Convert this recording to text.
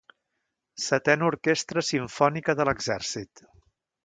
Setena Orquestra Simfònica de l'Exèrcit.